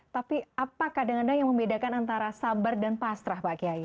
tapi apa kadang kadang yang membedakan antara sabar dan pasrah pak kiai